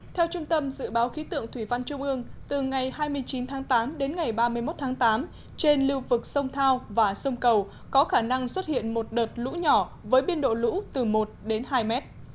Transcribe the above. theo trung tâm dự báo khí tượng thủy văn trung ương từ ngày hai mươi chín tháng tám đến ngày ba mươi một tháng tám trên lưu vực sông thao và sông cầu có khả năng xuất hiện một đợt lũ nhỏ với biên độ lũ từ một đến hai m